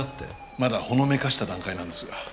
まだほのめかした段階なんですが。